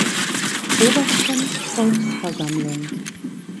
Obersten Volksversammlung.